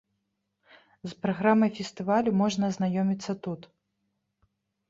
З праграмай фестывалю можна азнаёміцца тут.